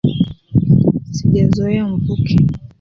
Sijazoea mvuke.